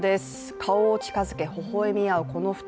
顔を近づけほほえみあう、この２人。